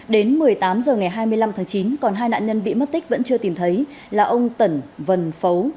đến một mươi tám h ngày hai mươi năm tháng chín còn hai nạn nhân bị mất tích vẫn chưa tìm thấy là ông tẩn vân phấu